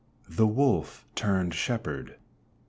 THE WOLF TURNED SHEPHERD.